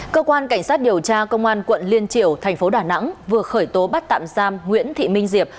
cơ quan cảnh sát điều tra công an quận liên triều thành phố đà nẵng vừa khởi tố bắt tạm giam nguyễn thị minh diệp